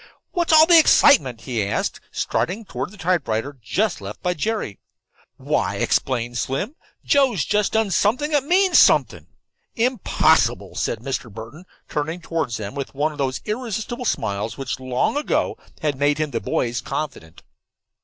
"What's all the excitement?" he asked, striding toward the typewriter just left by Jerry. "Why," explained Slim, "Joe's just done something that means something." "Impossible," said Mr. Burton, turning toward them with one of those irresistible smiles which long ago had made him the boys' confidant.